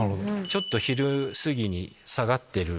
ちょっと昼過ぎに下がってる。